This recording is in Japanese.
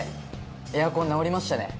エアコン直りましたね。